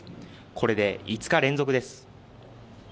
これで５日連続です